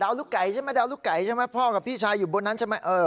เอาลูกไก่ใช่ไหมดาวลูกไก่ใช่ไหมพ่อกับพี่ชายอยู่บนนั้นใช่ไหมเออ